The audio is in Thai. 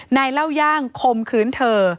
เล่าย่างคมคืนเธอ